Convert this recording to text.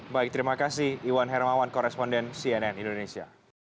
baik terima kasih iwan hermawan koresponden cnn indonesia